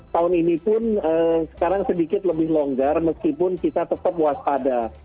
tahun ini pun sekarang sedikit lebih longgar meskipun kita tetap waspada